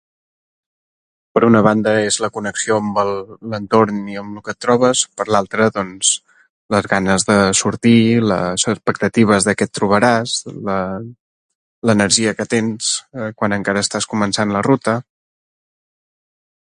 Per una banda és la connexió amb l'entorn i amb lo que trobes. Per una altra, doncs les ganes de sortir, les expectatives de què et trobaràs, la... l'energia que tens quan encara estàs començant la ruta.